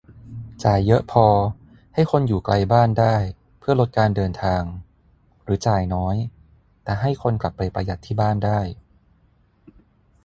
จ่ายเยอะพอให้คนอยู่ไกลบ้านได้เพื่อลดการเดินทาง หรือ จ่ายน้อยแต่ให้คนกลับไปประหยัดที่บ้านได้